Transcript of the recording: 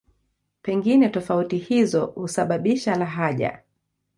Pengine tofauti hizo husababisha lahaja.